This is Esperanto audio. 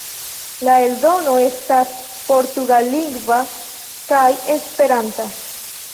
La eldono estas portugallingva kaj esperanta.